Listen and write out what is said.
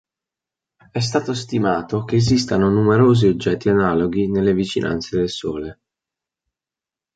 È stato stimato che esistano numerosi oggetti analoghi nelle vicinanze del Sole.